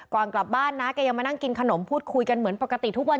ก่อนกลับบ้านนะแกยังมานั่งกินขนมพูดคุยกันเหมือนปกติทุกวัน